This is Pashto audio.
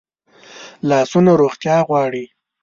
لاسونه روغتیا غواړي